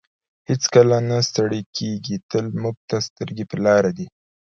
هېڅکله نه ستړی کیږي تل موږ ته سترګې په لار دی.